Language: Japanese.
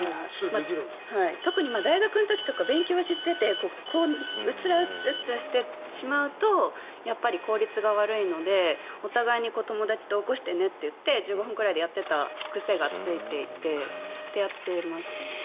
特に大学の時とか勉強しててうつらうつらしてしまうとやっぱり効率が悪いのでお互いに友達と起こしてねって言って１５分ぐらいでやっていた癖がついていてやっていますね。